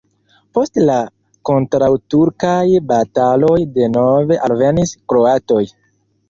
Post la kontraŭturkaj bataloj denove alvenis kroatoj.